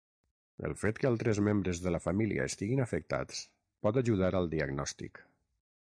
El fet que altres membres de la família estiguin afectats pot ajudar al diagnòstic.